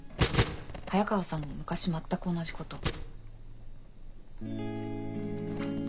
早川さんも昔全く同じことを。